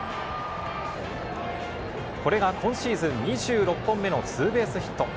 これが今シーズン２６本目のツーベースヒット。